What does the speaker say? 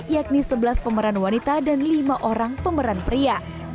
yakni sebelas pemeran wanita dan lima orang pemeran pria